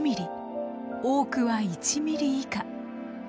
多くは１ｍｍ以下。